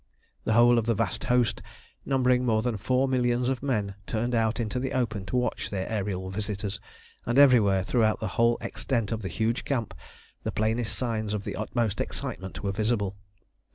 The whole of the vast host, numbering more than four millions of men, turned out into the open to watch their aërial visitors, and everywhere throughout the whole extent of the huge camp the plainest signs of the utmost excitement were visible.